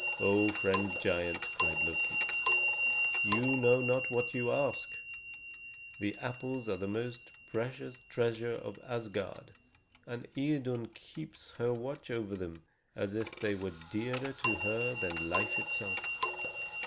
"O friend giant!" cried Loki. "You know not what you ask! The apples are the most precious treasure of Asgard, and Idun keeps watch over them as if they were dearer to her than life itself.